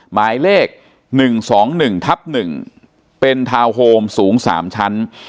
หมายเลขหนึ่งสองหนึ่งทับหนึ่งเป็นทาวน์โฮมสูงสามชั้น